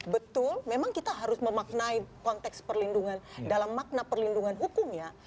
betul memang kita harus memaknai konteks perlindungan dalam makna perlindungan hukumnya